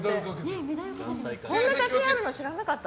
こんな写真あるの知らなかった。